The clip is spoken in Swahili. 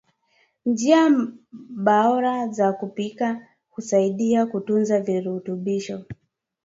njia baora za kupika hunasaidia kutunza virutubisho